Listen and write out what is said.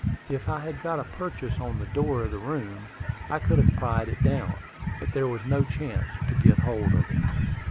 If I had got a purchase on the door of the room, I could have pried it down; but there was no chance to get hold of it.